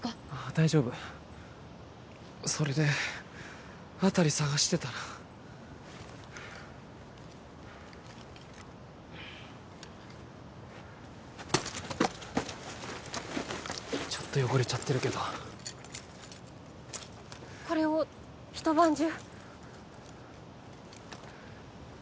大丈夫それで辺り捜してたらちょっと汚れちゃってるけどこれを一晩中？